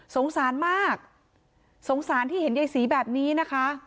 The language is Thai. สงสารมากสงสารที่เห็นยายศรีแบบนี้นะคะ